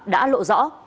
đã lộ rõ